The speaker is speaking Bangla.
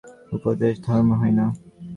কতকগুলি বিশ্বাস, মতবাদ আর উপদেশে ধর্ম হয় না।